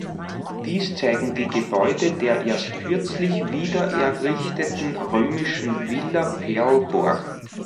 Dies zeigen die Gebäude der erst kürzlich wiedererrichteten Römischen Villa Perl-Borg.